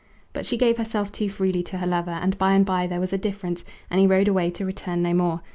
But she gave herself too freely to her lover, and by and by there was a difference, and he rode away to return no more.